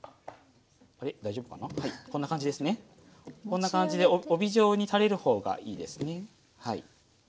こんな感じで帯状に垂れる方がいいですねはい。